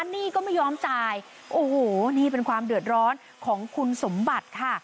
หนี้ก็ไม่ยอมจ่ายโอ้โหนี่เป็นความเดือดร้อนของคุณสมบัติค่ะ